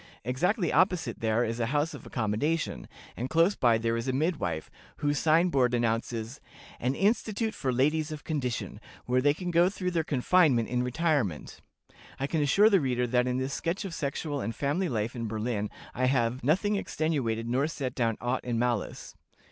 Exactly opposite there is a house of accommodation, and close by there is a midwife, whose sign board announces 'An institute for ladies of condition, where they can go through their confinement in retirement.' I can assure the reader that in this sketch of sexual and family life in Berlin I have 'nothing extenuated, nor set down aught in malice.'"